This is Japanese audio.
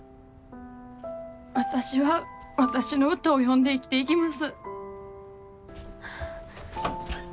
私は私の歌を詠んで生きていきます。